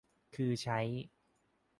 คือใช้